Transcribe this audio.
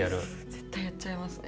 絶対やっちゃいますね。